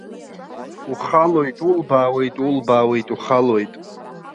Ухалоит улбаауеит, улбаауеит ухалоит.